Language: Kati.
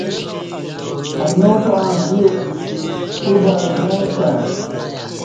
انیو پݩع دی اوں بلہ نہ اسݩع